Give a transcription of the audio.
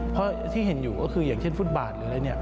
เพราะที่เห็นอยู่ก็คืออย่างเช่นฟุตบาทหรืออะไรเนี่ย